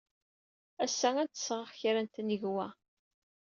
Ass-a, ad d-sɣeɣ kra n tnegwa.